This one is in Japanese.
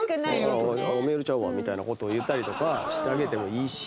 「ああメールちゃうわ」みたいな事を言ったりとかしてあげてもいいし。